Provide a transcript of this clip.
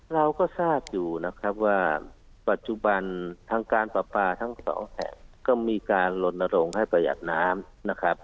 เราก็ทราบอยู่นะครับว่าปัจจุบันทางการปราปาทั้งสองแห่งก็มีการลนโรงให้ประหยัดน้ำนะครับ